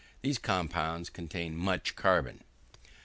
These compounds contain much carbon.